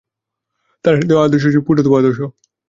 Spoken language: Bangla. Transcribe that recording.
তাঁর আনীত আদর্শ হচ্ছে পুণ্যতম আদর্শ।